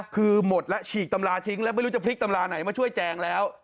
คือหมดแล้วฉีกตำราทิ้งแล้วไม่รู้จะพลิกตำราไหนมาช่วยแจงแล้ว